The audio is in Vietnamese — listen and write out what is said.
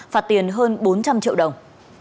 phạt tiền hơn bốn trăm linh triệu đồng